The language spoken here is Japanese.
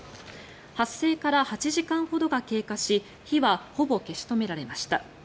発生から８時間ほどが経過し火はほぼ消し止められました。